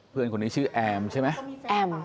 เพื่อนคนนี้ชื่อแอมใช่ไหมแอม